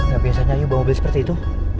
gak biasanya yuba mobil seperti itu